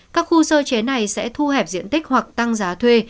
các khu sơ chế này sẽ thu hẹp diện tích hoặc tăng giá thuê